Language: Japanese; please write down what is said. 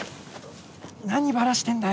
何バラしてるんだよ！